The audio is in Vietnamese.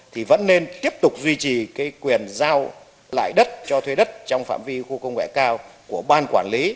thì vẫn nên tiếp tục duy trì quyền giao lại đất cho thuê đất trong phạm vi khu công nghệ cao của ban quản lý